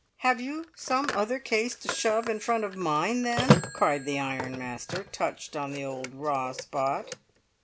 "Have you some other case to shove in front of mine, then?" cried the ironmaster, touched on the old raw spot.